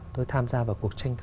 tôi tham gia vào cuộc tranh cử